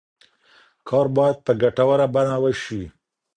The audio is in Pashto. کار باید په ګټوره بڼه وشي.